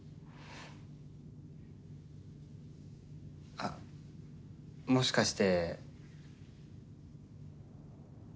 あっもしかして。